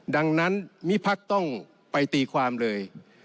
ดังนั้นมิพักษ์ต้องไปตีความเลย